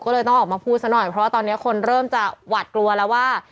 ก็เลยต้องออกมาพูดซะหน่อยเพราะว่าตอนนี้คนเริ่มจะหวัดกลัวแล้วว่า